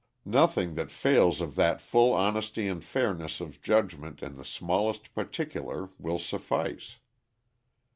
Nothing that fails of that full honesty and fairness of judgment in the smallest particular will suffice.